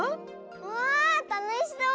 わあたのしそう！